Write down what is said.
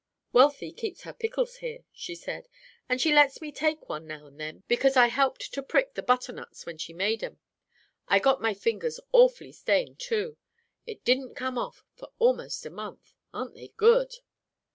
"Wealthy keeps her pickles here," she said, "and she lets me take one now and then, because I helped to prick the butternuts when she made 'em. I got my fingers awfully stained too. It didn't come off for almost a month. Aren't they good?"